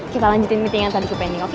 kita lanjutin meeting yang tadi ke pending oke